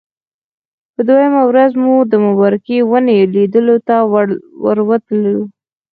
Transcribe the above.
په دویمه ورځ موږ د مبارکې ونې لیدلو ته ورتللو.